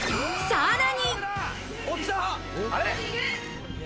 さらに！